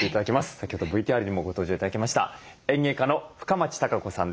先ほどＶＴＲにもご登場頂きました園芸家の深町貴子さんです。